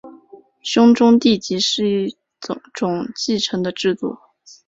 兄终弟及是一种继承的制度。